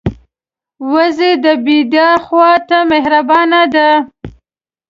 وزې د بیدیا خوا ته مهربانه ده